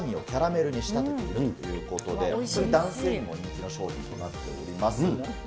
赤ワインをキャラメルに仕立てているということで男性にも人気の商品となっています。